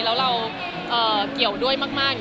แล้วเราเกี่ยวด้วยมาก